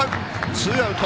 ツーアウト。